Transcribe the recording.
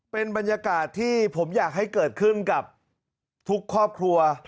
เป็นบรรยากาศที่ผมอยากให้เกิดขึ้นกับทุกครอบครัว